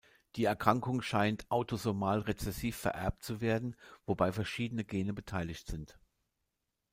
Die Erkrankung scheint autosomal-rezessiv vererbt zu werden, wobei verschiedene Gene beteiligt sind.